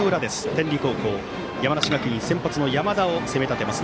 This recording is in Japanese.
天理高校、山梨学院先発の山田を攻め立てます。